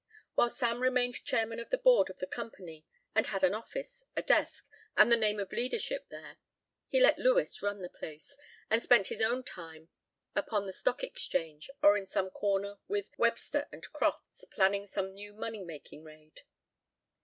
While Sam remained chairman of the board of the company and had an office, a desk, and the name of leadership there, he let Lewis run the place, and spent his own time upon the stock exchange or in some corner with Webster and Crofts planning some new money making raid.